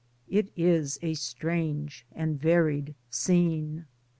It is a strange and varied scene.